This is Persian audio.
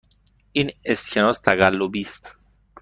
این اسکناس تقلبی است.